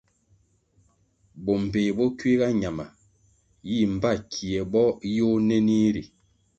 Bo mbpéh bo kuiga ñama yih mbpa kie bo yôh nenih ri.